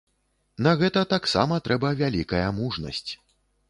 На гэта таксама трэба вялікая мужнасць.